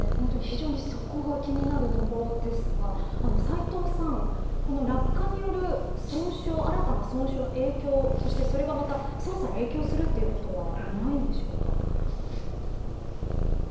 非常にそこが気になるところですが斎藤さん落下による新たな損傷それが、また捜査に影響するということはないんでしょうか。